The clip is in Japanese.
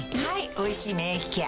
「おいしい免疫ケア」